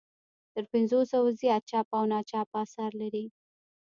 تر پنځو سوو زیات چاپ او ناچاپ اثار لري.